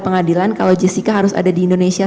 pengadilan kalau jessica harus ada di indonesia